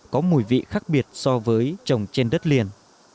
có mùi vị khác biệt so với trồng trên đất liền